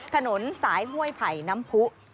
ถนนสายห้วยไผ่น้ำผู้